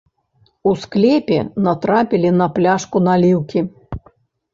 У склепе натрапілі на пляшку наліўкі.